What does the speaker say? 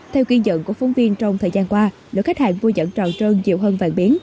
theo ghi nhận của phóng viên trong thời gian qua lượng khách hàng mua nhẫn tròn trơn nhiều hơn vàng miếng